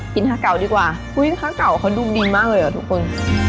กินฮะเกาดีกว่าฮุ้ยฮะเกาเขาดูดีมากเลยอะทุกคน